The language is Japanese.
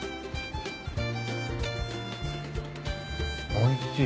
おいしい。